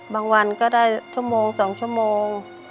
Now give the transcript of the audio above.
วันก็ได้ชั่วโมง๒ชั่วโมง